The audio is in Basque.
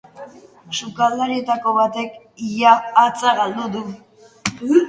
Sukaldarietako batek ia hatza galdu du.